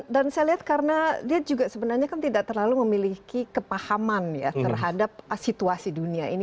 dan saya lihat karena dia juga sebenarnya kan tidak terlalu memiliki kepahaman ya terhadap situasi dunia ini